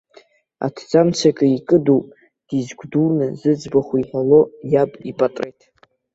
Аҭӡамцаҿы икыдуп, дизгәдуны зыӡбахә иҳәало иаб ипатреҭ.